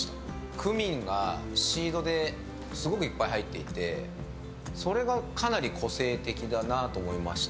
クミンがシードですごくいっぱい入っててそれがかなり個性的だなと思いました。